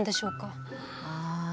ああ。